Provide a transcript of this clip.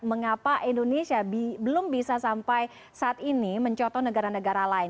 mengapa indonesia belum bisa sampai saat ini mencoto negara negara lain